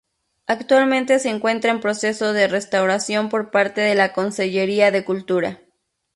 Actualmente se encuentra en proceso de restauración por parte de la Conselleria de Cultura.